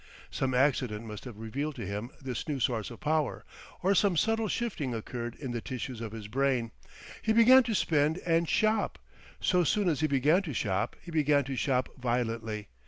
Some accident must have revealed to him this new source of power, or some subtle shifting occurred in the tissues of his brain. He began to spend and "shop." So soon as he began to shop, he began to shop violently.